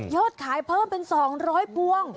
ขายเพิ่มเป็น๒๐๐พวง